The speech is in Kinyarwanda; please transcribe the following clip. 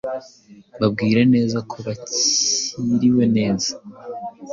Babwire neza ko bakiriwe neza